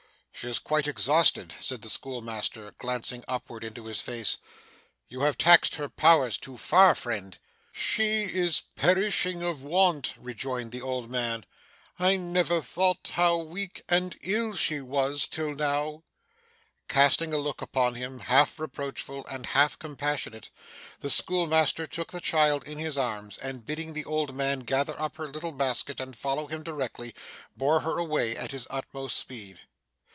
'She is quite exhausted,' said the schoolmaster, glancing upward into his face. 'You have taxed her powers too far, friend.' 'She is perishing of want,' rejoined the old man. 'I never thought how weak and ill she was, till now.' Casting a look upon him, half reproachful and half compassionate, the schoolmaster took the child in his arms, and, bidding the old man gather up her little basket and follow him directly, bore her away at his utmost speed.